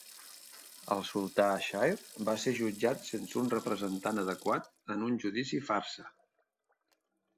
El sultà Shire va ser jutjat sense un representant adequat en un judici farsa.